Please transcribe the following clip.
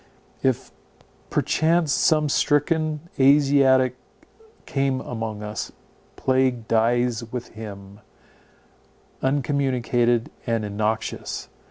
If perchance some stricken Asiatic come among us, plague dies with him, uncommunicated and innoxious.